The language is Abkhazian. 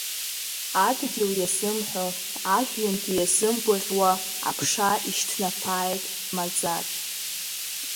Адгьыл иазымҳәо, ажәҩангьы иазымгәаӷьуа, аԥша ишьҭнаԥааит маӡак…